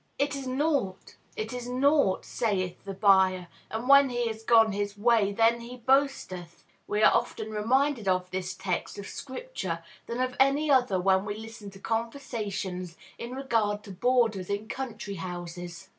"It is naught, it is naught, saith the buyer; and when he is gone his way then he boasteth." We are oftener reminded of this text of Scripture than of any other when we listen to conversations in regard to boarders in country houses.